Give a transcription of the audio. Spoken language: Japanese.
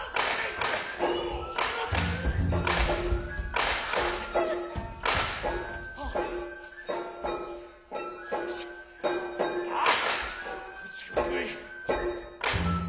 こっち来い。